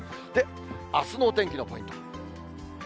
あすのお天気のポイント。